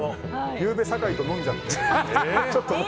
ゆうべ、酒井と飲んじゃって。